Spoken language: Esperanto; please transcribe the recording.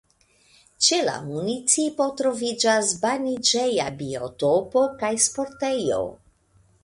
Ĉe la municipo troviĝas baniĝeja biotopo kaj sportejo.